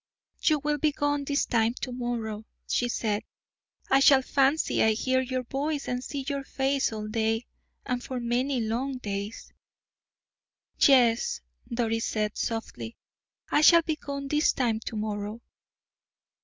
"You will be gone this time to morrow," she said. "I shall fancy I hear your voice and see your face all day, and for many long days." "Yes," said Doris, softly, "I shall be gone this time to morrow."